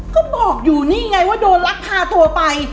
ก็บอกอยู่นี่ไงว่าโดนลักพาตัวไป